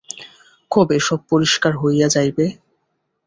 কবে সব পরিষ্কার হইয়া যাইবে?